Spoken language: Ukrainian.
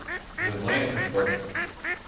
Ви знаєте, хто це?